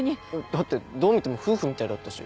だってどう見ても夫婦みたいだったし。